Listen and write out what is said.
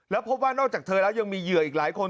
แล้วพบว่านอกจากเธอแล้วยังมีเหยื่ออีกหลายคน